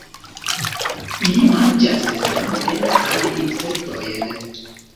Ili manĝas semojn kaj insektojn.